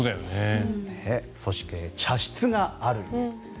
そして、茶室がある家。